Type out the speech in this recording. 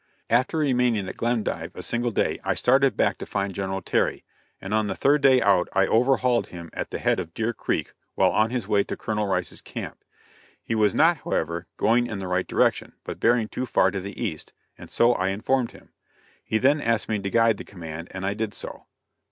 After remaining at Glendive a single day I started back to find General Terry, and on the third day out I overhauled him at the head of Deer Creek while on his way to Colonel Rice's camp. He was not, however, going in the right direction, but bearing too far to the east, and I so informed him. He then asked me to guide the command and I did so.